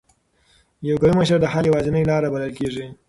یو قوي مشر د حل یوازینۍ لار بلل کېږي.